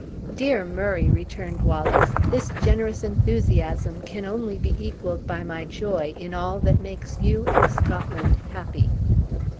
"Dear Murray!" returned Wallace, "this generous enthusiasm can only be equaled by my joy in all that makes you and Scotland happy."